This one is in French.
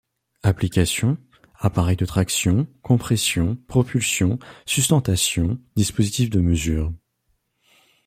Application: appareil de traction, compression, propulsion, sustentation, dispositif de mesure.